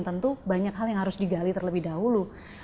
tentu banyak hal yang harus digali terlebih dahulu